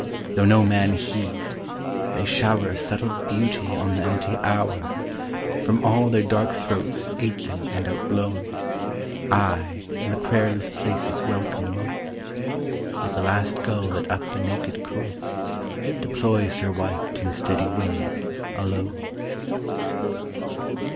Though no man heed, they shower A subtle beauty on the empty hour, From all their dark throats aching and outblown; Aye in the prayerless places welcome most, Like the last gull that up a naked coast Deploys her white and steady wing, alone.